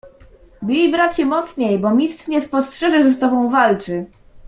"Bij, bracie, mocniej, bo mistrz nie spostrzeże, że z tobą walczy."